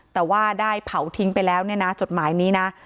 แต่ว่าได้เผาทิ้งไปแล้วเนี่ยนะจดหมายนี้นะ